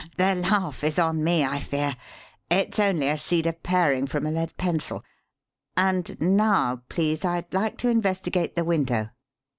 "The laugh is on me, I fear it's only a cedar paring from a lead pencil. And now, please, I'd like to investigate the window."